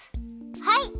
はい！